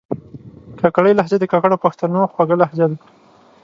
کاکړۍ لهجه د کاکړو پښتنو خوږه لهجه ده